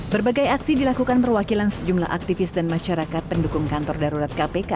berbagai aksi dilakukan perwakilan sejumlah aktivis dan masyarakat pendukung kantor darurat kpk